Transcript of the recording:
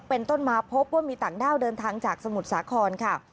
เป็นต้นมาพบว่ามีต่างด้าวเดินทางจากสมุทรสาครค่ะ